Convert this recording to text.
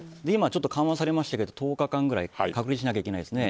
今ちょっと緩和されましたけど１０日間ぐらい隔離しなきゃいけない。